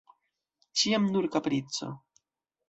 Ĉiam nur kaprico!